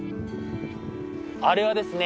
あれはですね